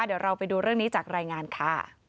เดี๋ยวเราไปดูเรื่องนี้จากรายงานค่ะ